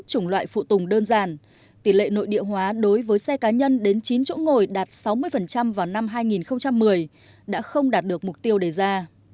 chủng loại phụ tùng đơn giản tỷ lệ nội địa hóa đối với xe cá nhân đến chín chỗ ngồi đạt sáu mươi vào năm hai nghìn một mươi đã không đạt được mục tiêu đề ra